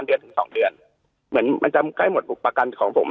เดือนถึงสองเดือนเหมือนมันจะใกล้หมดบุคประกันของผม